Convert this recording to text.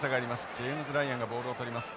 ジェームズライアンがボールを捕ります。